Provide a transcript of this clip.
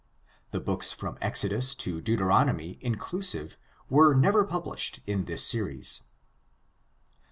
The books from Exodus to Deuteronomy inclusive were never published in this series.